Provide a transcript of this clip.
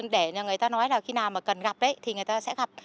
để người ta nói là khi nào mà cần gặp thì người ta sẽ gặp